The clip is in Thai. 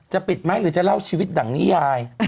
ปิดไหมหรือจะเล่าชีวิตดั่งนิยาย